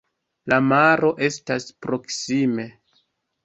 La maro estas proksime.